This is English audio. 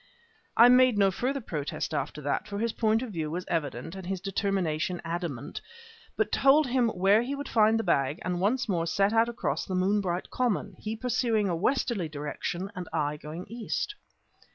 I made no further protest after that, for his point of view was evident and his determination adamant, but told him where he would find the bag and once more set out across the moonbright common, he pursuing a westerly direction and I going east.